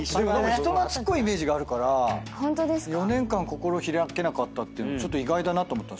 人懐っこいイメージがあるから４年間心開けなかったってちょっと意外だなと思った。